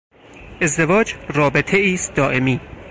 ازدواج رابطهای است دائمی.